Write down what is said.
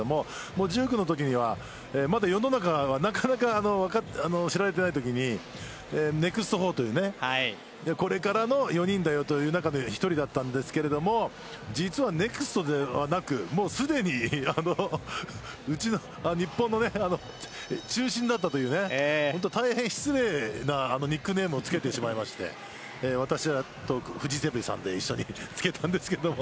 １９のときには、まだ世の中はなかなか知られていないときにネクスト４というこれからの４人というの中の１人だったんですが実はネクストではなくすでに日本の中心だったという大変失礼なニックネームをつけてしまいまして私とフジテレビさんで一緒につけたんですけど。